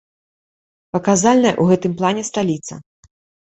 Паказальная ў гэтым плане сталіца.